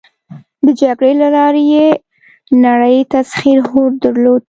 د جګړې له لارې یې نړی تسخیر هوډ درلود.